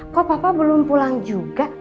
kok papa belum pulang juga